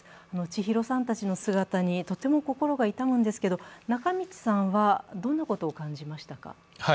千尋さんたちの姿にとても心が痛むんですけれども中道さんはどんなことを感じましたか。